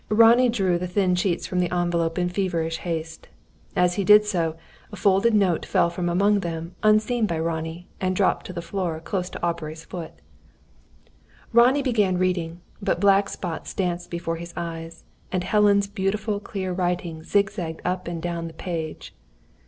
Ronnie drew the thin sheets from the envelope in feverish haste. As he did so, a folded note fell from among them unseen by Ronnie, and dropped to the floor close to Aubrey's foot. Ronnie began reading; but black spots danced before his eyes, and Helen's beautiful clear writing zig zagged up and down the page.